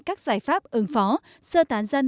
các giải pháp ứng phó sơ tán dân